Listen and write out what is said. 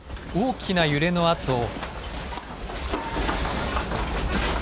大きな揺れのあと。